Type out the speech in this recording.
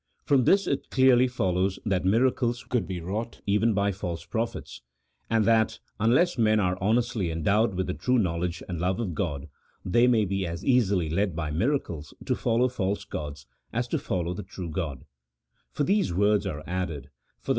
From this it clearly follows that miracles could be wrought even by false prophets ; and that, unless men are honestly endowed with the true knowledge and love of God, they may be as easily led by miracles to follow false gods as to follow the true God ; for these words are added :" For the 88 A THEOLOGICO POLITICAL TREATISE. [CHAP. VI.